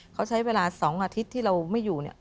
เขาใช้เวลา๒อาทิตย์ที่เราไม่อยู่